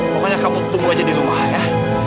pokoknya kamu tunggu aja di rumah ya